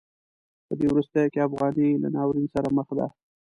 په دې وروستیو کې افغانۍ له ناورین سره مخ ده.